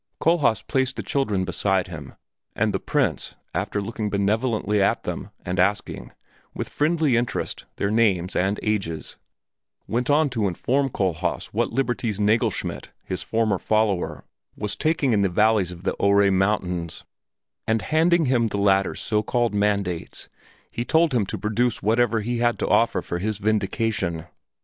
Kohlhaas placed the children beside him, and the Prince, after looking benevolently at them and asking, with friendly interest, their names and ages, went on to inform Kohlhaas what liberties Nagelschmidt, his former follower, was taking in the valleys of the Ore Mountains, and handing him the latter's so called mandates he told him to produce whatever he had to offer for his vindication.